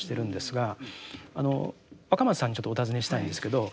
若松さんにちょっとお尋ねしたいんですけど。